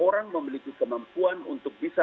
orang memiliki kemampuan untuk bisa